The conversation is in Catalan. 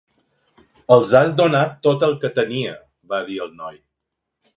"Els has donat tot el que tenia!", va dir el noi.